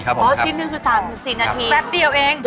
แปปเดียวเอง